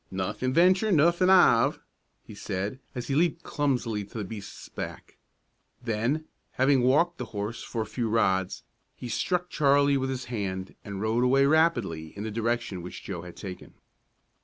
"Nothing venture, nothing 'ave," he said, as he leaped clumsily to the beast's back. Then, having walked the horse for a few rods, he struck Charlie with his hand, and rode away rapidly in the direction which Joe had taken.